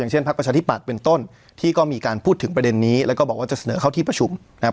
เช่นพักประชาธิปัตย์เป็นต้นที่ก็มีการพูดถึงประเด็นนี้แล้วก็บอกว่าจะเสนอเข้าที่ประชุมนะครับ